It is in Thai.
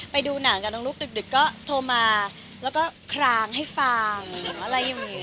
ไปดูหนังกับน้องลูกดึกก็โทรมาแล้วก็คลางให้ฟังอะไรอย่างนี้